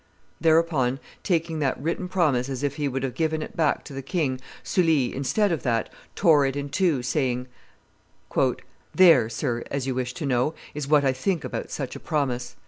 Thereupon, taking that written promise as if he would have given it back to the king, Sully, instead of that, tore it in two, saying, a "There, sir, as you wish to know, is what I think about such a promise."